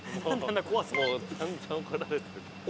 もうさんざん怒られてるから。